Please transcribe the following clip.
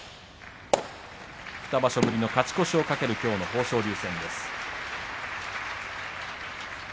２場所ぶりの勝ち越しを懸けるきょうの豊昇龍戦です。